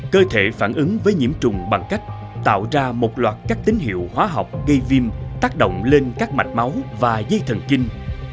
cơ thể phản ứng với nhiễm trùng bằng cách tạo ra một loạt các tín hiệu hóa học gây viêm tác động lên các mạch máu và dây thần kinh